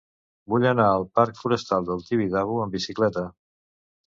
Vull anar al parc Forestal del Tibidabo amb bicicleta.